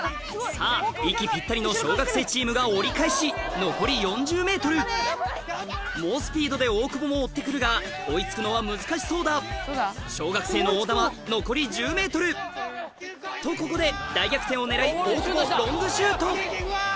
さぁ息ぴったりの小学生チームが折り返し残り４０ｍ猛スピードで大久保も追ってくるが追い付くのは難しそうだ小学生の大玉残り１０ｍとここで大逆転を狙い大久保ロングシュート！